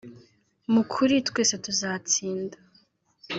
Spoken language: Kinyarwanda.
mu kuri twese tuzatsinda